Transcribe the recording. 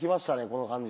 この感じ。